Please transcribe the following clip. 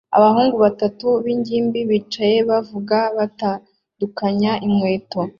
Abahungu batatu b'ingimbi bicaye bavuga bagatunganya inkweto